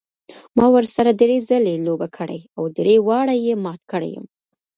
ما ورسره درې ځلې لوبه کړې او درې واړه یې مات کړی یم.